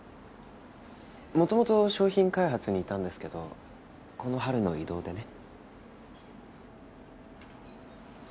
元々商品開発にいたんですけどこの春の異動でね。